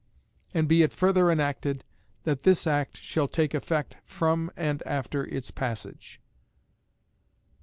And be it further enacted, That this act shall take effect from and after its passage.